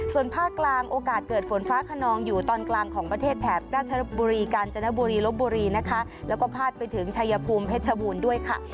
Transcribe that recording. ส่วนภาคกลางโอกาสเกิดฝนฟ้าขนองอยู่ตอนกลางของประเทศแถบราชบุรีกาญจนบุรีลบบุรีนะคะแล้วก็พาดไปถึงชายภูมิเพชรบูรณ์ด้วยค่ะ